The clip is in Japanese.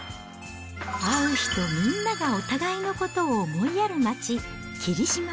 会う人みんながお互いのことを思いやる街、霧島。